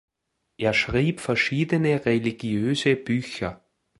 Er schrieb verschiedene religiöse Bücher.